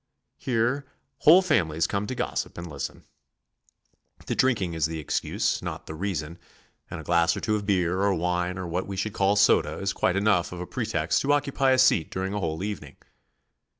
Here whole families come to gossip and listen. The drinking is the excuse, not the reason, and a glass or two of beer or wine or what we should call soda is quite enough of a pre text to occupy a seat during a whole eventing.